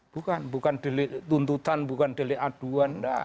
bukan bukan dituntutkan bukan dituntutkan